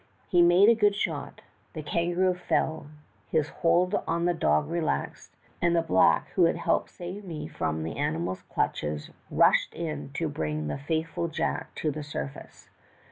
He made a good shot ; the kangaroo fell, his hold on the dog relaxed, and the black who had helped save me from the animal's clutches rushed in to bring the faithful Jack to the surface.